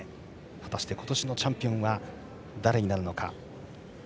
果たして今年のチャンピオンは誰になるのか。